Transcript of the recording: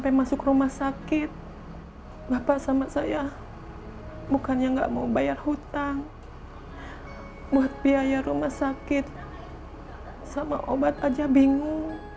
gimana hasil pembantuan kamu